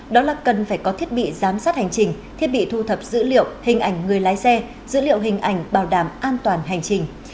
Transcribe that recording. đó là cần phải có thiết bị giám sát hành trình thiết bị thu thập dữ liệu hình ảnh người lái xe dữ liệu hình ảnh bảo đảm an toàn hành trình